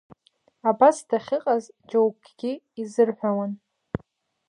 Абас дахьыҟаз џьоукгьы изырҳәауан…